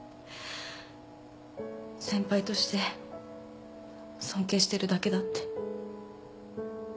先輩として尊敬してるだけだって。